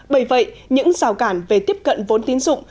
bởi vậy những rào cản về tiếp cận vốn tín dụng